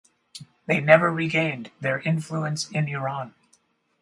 They never regained their influence in Iran.